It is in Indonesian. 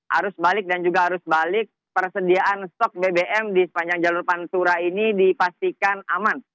arus balik dan juga arus balik persediaan stok bbm di sepanjang jalur pantura ini dipastikan aman